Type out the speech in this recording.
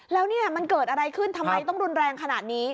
แล้วเนี่ยมันเกิดอะไรขึ้นทำไมต้องรุนแรงขนาดนี้